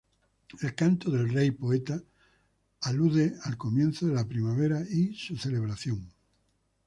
El Canto del Rey Poeta alude al comienzo de la Primavera y su celebración.